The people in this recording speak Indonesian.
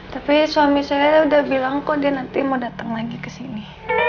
tapi suami saya udah bilang kok dia nanti mau datang lagi ke sini